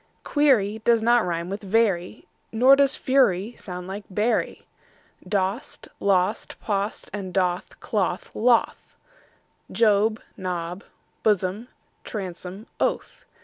Query does not rime with very, Nor does fury sound like bury. Dost, lost, post and doth, cloth, loth; Job, Job, blossom, bosom, oath.